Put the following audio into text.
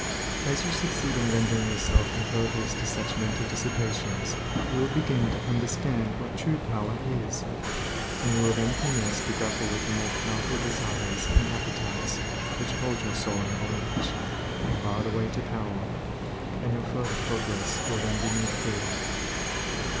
As you succeed in rendering yourself impervious to such mental dissipations you will begin to understand what true power is, and you will then commence to grapple with the more powerful desires and appetites which hold your soul in bondage, and bar the way to power, and your further progress will then be made clear.